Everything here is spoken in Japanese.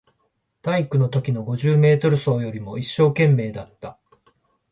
体育のときの五十メートル走よりも一生懸命だった